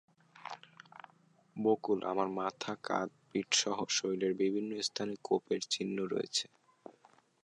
বকুল আরার মাথা, কাঁধ, পিঠসহ শরীরের বিভিন্ন স্থানে কোপের চিহ্ন রয়েছে।